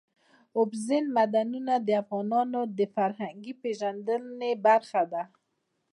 اوبزین معدنونه د افغانانو د فرهنګي پیژندنې برخه ده.